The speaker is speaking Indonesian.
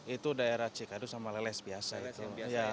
itu daerah cikadu sama leles biasa itu